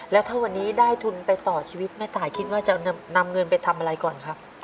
แล้วถ้าวันนี้ได้ทุนไปต่อชีวิตแม่ตายคิดว่าจะนำเงินไปทำอะไรก่อนครับ